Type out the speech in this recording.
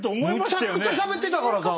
むちゃくちゃしゃべってたから。